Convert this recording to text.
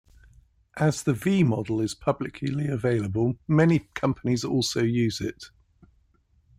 As the V-model is publicly available many companies also use it.